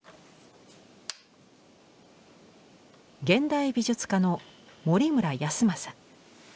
現代美術家の森村泰昌。